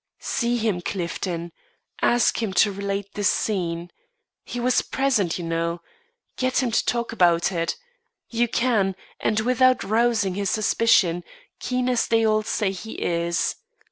"See him, Clifton. Ask him to relate this scene. He was present, you know. Get him to talk about it. You can, and without rousing his suspicion, keen as they all say he is.